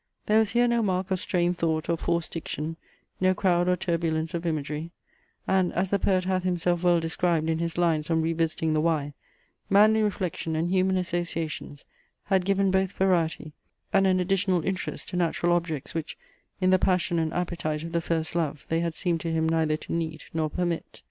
There was here no mark of strained thought, or forced diction, no crowd or turbulence of imagery; and, as the poet hath himself well described in his Lines on revisiting the Wye, manly reflection and human associations had given both variety, and an additional interest to natural objects, which, in the passion and appetite of the first love, they had seemed to him neither to need nor permit.